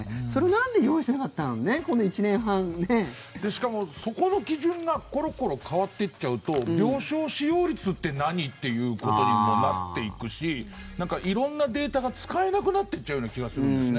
それをなんで用意しなかったのかしかもその基準が変わると病床使用率って何ってことにもなっていくし、色んなデータが使えなくなっていっちゃうような気がするんですね。